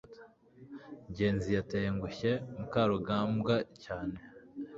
ngenzi yatengushye mukarugambwa cyane